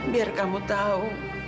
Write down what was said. biar kamu tahu